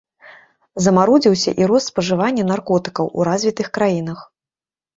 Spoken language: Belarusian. Замарудзіўся і рост спажывання наркотыкаў у развітых краінах.